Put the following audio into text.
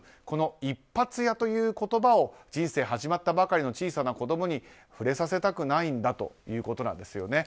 この一発屋という言葉を人生始まったばかりの小さな子供に触れさせたくないんだということなんです。